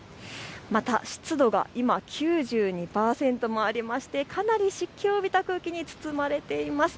また湿度が今９２％もありましてかなり湿気を帯びた空気に包まれています。